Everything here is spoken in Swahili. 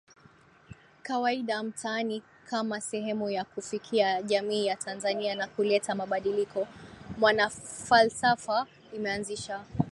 kawaida mtaani Kama sehemu ya kufikia jamii ya Tanzania na kuleta mabadiliko MwanaFalsafa imeanzisha